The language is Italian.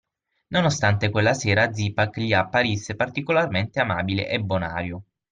Nonostante quella sera Zipak gli apparisse particolarmente amabile e bonario.